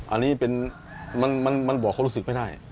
อันนี้เป็นมันบอกเขารู้สึกไม่ได้